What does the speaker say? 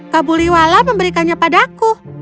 kabuliwala memberikannya padaku